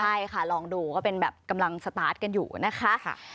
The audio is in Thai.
ใช่ค่ะลองดูก็เป็นแบบกำลังสตาร์ทกันอยู่นะคะ